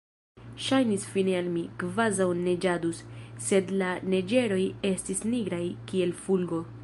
Ŝajnis fine al mi, kvazaŭ neĝadus, sed la neĝeroj estis nigraj kiel fulgo.